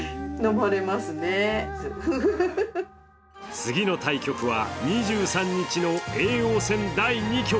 次の対局は２３日の叡王戦第２局。